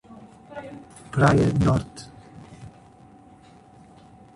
Praia Norte